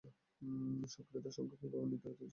সক্রিয়তার সংজ্ঞা কিভাবে নিরধারিত হচ্ছে এখানে?